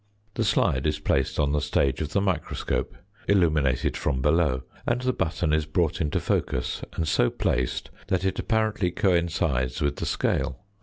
The slide is placed on the stage of the microscope, illuminated from below; and the button is brought into focus, and so placed that it apparently coincides with the scale.